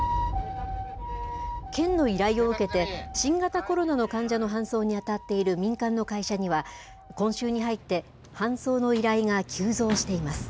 県の依頼を受けて、新型コロナの患者の搬送に当たっている民間の会社には、今週に入って、搬送の依頼が急増しています。